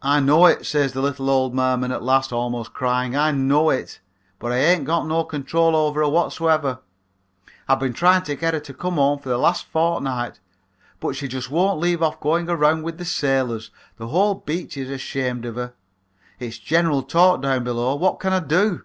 "'I know it,' says the little old merman at last, almost crying; 'I know it, but I ain't got no control over her whatsoever. I've been trying to get her to come home for the last fortnight, but she just won't leave off going around with the sailors. The whole beach is ashamed of her. It's general talk down below. What can I do?